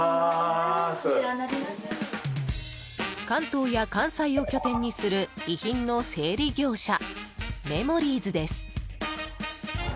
関東や関西を拠点にする遺品の整理業者メモリーズです。